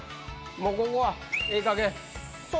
もうここはええかげん。